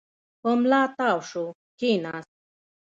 پر ملا تاو شو، کېناست.